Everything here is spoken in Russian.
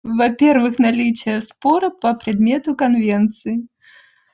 Во-первых, наличие спора по предмету Конвенции.